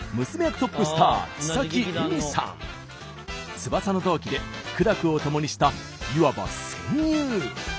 翼の同期で苦楽をともにしたいわば戦友。